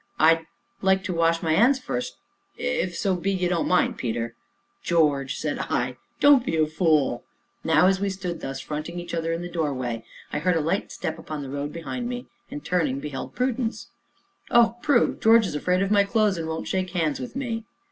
"I'd like to wash my 'ands first, if so be you don't mind, Peter." "George," said I, "don't be a fool!" Now, as we stood thus, fronting each other in the doorway, I heard a light step upon the road behind me, and, turning, beheld Prudence. "Oh, Prue, George is afraid of my clothes, and won't shake hands with me!"